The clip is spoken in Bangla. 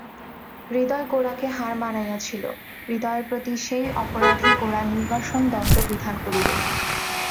হৃদয় গোরাকে হার মানাইয়াছিল, হৃদয়ের প্রতি সেই অপরাধে গোরা নির্বাসন-দণ্ড বিধান করিল।